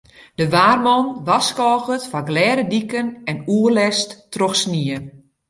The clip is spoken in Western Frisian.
De waarman warskôget foar glêde diken en oerlêst troch snie.